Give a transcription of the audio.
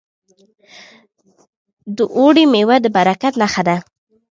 د اوړي میوې د برکت نښه ده.